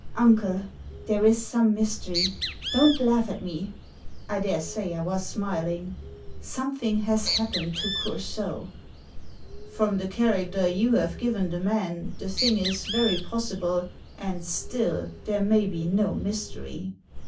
"Uncle, there is some mystery. Don't laigh at me!" I daresay I was smiling. "Something has happened to Coursault" " From the character you have given the man the thing is very possible, and still there may be no mystery."